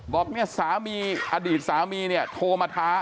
บอกนี่สามีอดีตสามีโทรมาท้า